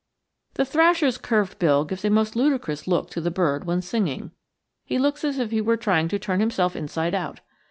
The thrasher's curved bill gives a most ludicrous look to the bird when singing. He looks as if he were trying to turn himself inside out.